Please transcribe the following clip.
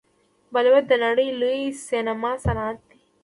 بالیووډ د نړۍ لوی سینما صنعت دی.